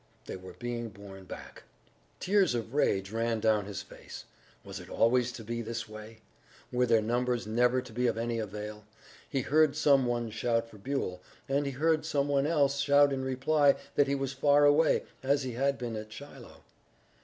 They were being borne back. Tears of rage ran down his face. Was it always to be this way? Were their numbers never to be of any avail? He heard some one shout for Buell, and he heard some one else shout in reply that he was far away, as he had been at Shiloh.